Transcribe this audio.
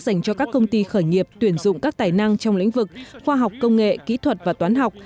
dành cho các công ty khởi nghiệp tuyển dụng các tài năng trong lĩnh vực khoa học công nghệ kỹ thuật và toán học